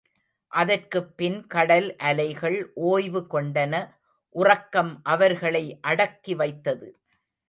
அதற்குப் பின் கடல் அலைகள் ஒய்வு கொண்டன உறக்கம் அவர்களை அடக்கி வைத்தது.